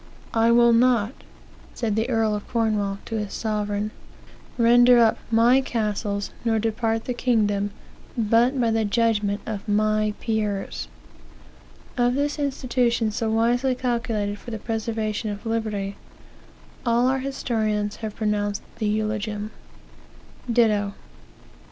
'I will not' (said the Earl of Cornwall to his sovereign) 'render up my castles, nor depart the kingdom, but by judgment of my peers.' Of this institution, so wisely calculated for the preservation of liberty, all our, historians have pronounced the eulogium." Ditto, p.